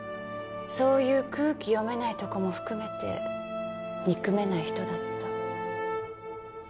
そういう空気読めないとこも含めて憎めない人だった。